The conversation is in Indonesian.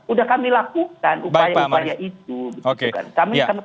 udah kami lakukan upaya upaya itu kan